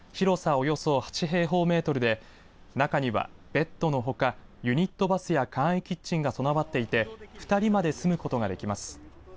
およそ８平方メートルで中にはベッドのほかユニットバスや簡易キッチンが備わっていて２人まで住むことができます。